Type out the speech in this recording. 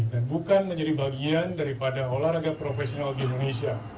dan bukan menjadi bagian daripada olahraga profesional di indonesia